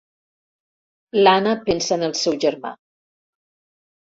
L'Anna pensa en el seu germà.